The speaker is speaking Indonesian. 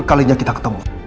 berkalinya kita ketemu